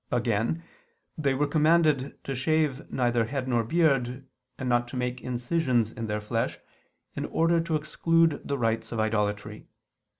Again, they were commanded to shave neither head nor beard, and not to make incisions in their flesh, in order to exclude the rites of idolatry.